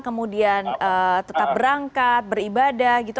kemudian tetap berangkat beribadah gitu